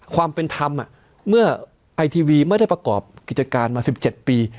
ความเป็นธรรมเมื่อไอทีวีไม่ได้ประกอบกิจการมา๑๗ปี